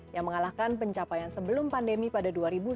yang mengalahkan pencapaian sebelum pandemi pada dua ribu sembilan belas